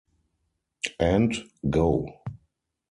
And Go!